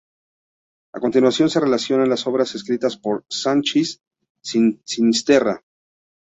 A continuación se relacionan las obras escritas por Sanchis Sinisterra.